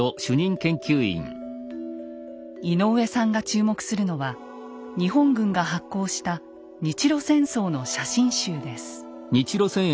井上さんが注目するのは日本軍が発行した日露戦争の写真集です。